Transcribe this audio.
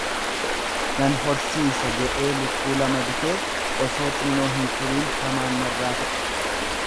Nan horsiisa jedhee lukkuu lama bitee osoo xinnoo hin turiin hamaan narraa fixe.